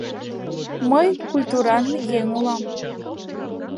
Мый культуран еҥ улам.